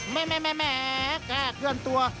แม่แค่เคลื่อนตัว